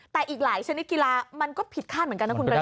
แต่อีกหลายชนิดกีฬามันก็ผิดคาดเหมือนกันนะคุณกระดาษ